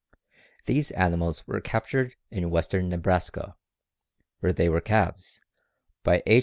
These animals were captured in western Nebraska, when they were calves, by H.